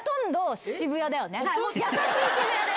優しい渋谷です！